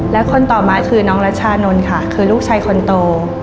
และคนต่อมาคือน้องรัชานนท์ค่ะคือลูกชายคนโต